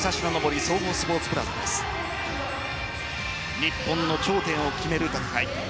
日本の頂点を決める戦い。